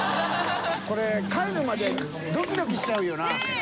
これ帰るまでドキドキしちゃうよな。ねぇ。